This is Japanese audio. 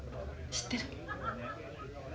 知ってる？